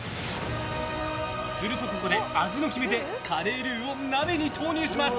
すると、ここで味の決め手カレールーを鍋に投入します。